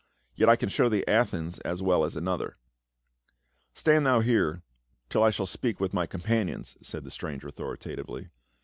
Yet I can show thee Athens as well as another." "Stand thou here till I shall speak with my com panions," said the stranger authoritatively.